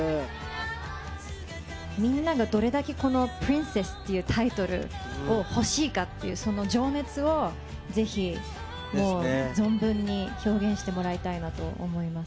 みんながどれだけ、プリンセスっていうタイトルを欲しいかっていう、その情熱を、ぜひ、存分に表現してもらいたいなと思います。